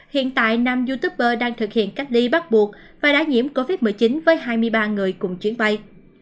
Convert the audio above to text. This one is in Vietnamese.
hiện tại nam youtuber đang thực hiện cách ly bắt buộc và đã nhiễm covid một mươi chín với hai mươi ba người cùng chuyến bay